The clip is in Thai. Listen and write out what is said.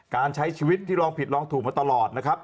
การใช้ชีวิตที่ลองผิดลองถูกมาตลอดนะครับ